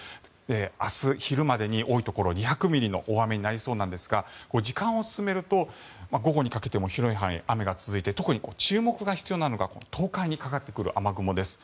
明日昼までに多いところで２００ミリの大雨になりそうなんですが時間を進めると午後にかけても広い範囲で雨が続いて特に注目が必要なのが東海にかかってくる雨雲です。